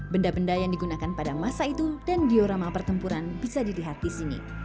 benda benda yang digunakan pada masa itu dan diorama pertempuran bisa dilihat di sini